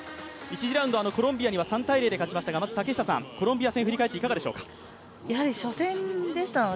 １次ラウンド、コロンビアには３−０で勝ちましたがコロンビア戦振り返っていかがでしたでしょうか？